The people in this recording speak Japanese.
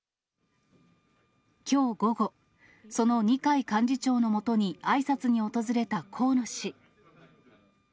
きょう午後、その二階幹事長のもとにあいさつに訪れた河野氏。